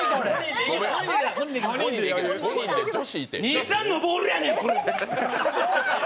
兄ちゃんのボールやねん！